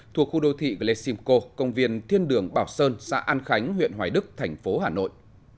thuộc khu đô thị glesimco công viên thiên đường bảo sơn xã an khánh huyện hoài đức thành phố hà nội